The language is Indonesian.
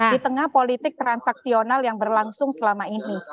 di tengah politik transaksional yang berlangsung selama ini